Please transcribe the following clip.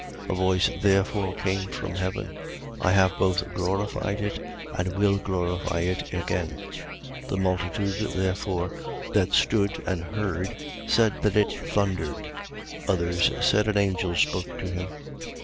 A voice therefore came from heaven: I have both glorified it and will glorify it again. 12:29. The multitude therefore that stood and heard said that it thundered. Others said: An angel spoke to him.